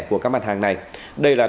của các mặt hàng này đây là